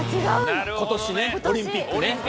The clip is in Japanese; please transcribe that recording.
今年オリンピックね！